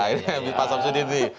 ini pak sab sudir